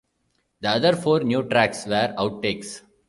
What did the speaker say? The other four new tracks were outtakes.